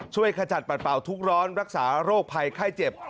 ขจัดปัดเป่าทุกร้อนรักษาโรคภัยไข้เจ็บ